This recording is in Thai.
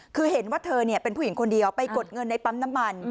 คือเห็นว่าเธอเป็นผู้หญิงคนเดียวไปกดเงินในปั๊มน้ำมัน